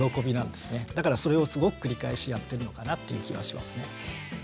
だからそれをすごく繰り返しやってるのかなっていう気はしますね。